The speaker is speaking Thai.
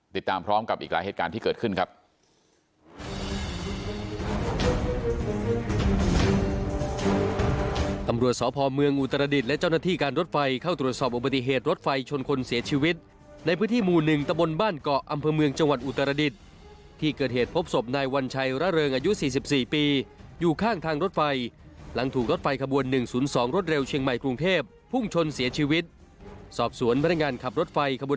ติดตามพร้อมกับอีกหลายเหตุการณ์ที่เกิดขึ้นครับ